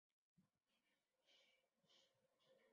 他出身自因弗内斯的青训系统。